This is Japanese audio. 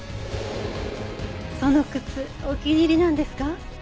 その靴お気に入りなんですか？